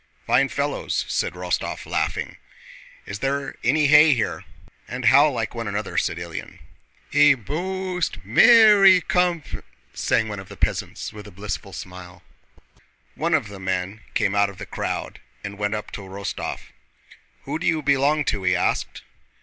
"Fine fellows!" said Rostóv laughing. "Is there any hay here?" "And how like one another," said Ilyín. "A mo o st me r r y co o m pa...!" sang one of the peasants with a blissful smile. One of the men came out of the crowd and went up to Rostóv. "Who do you belong to?" he asked.